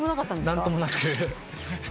何ともなく。